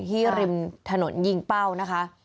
ริมถนนยิงเป้านะคะ